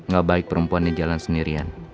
gak baik perempuan yang jalan sendirian